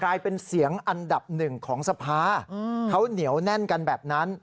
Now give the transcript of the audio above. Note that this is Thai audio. กลายเป็นเสียงอันดับหนึ่งของสภาเขาเหนียวแน่นกันแบบนั้น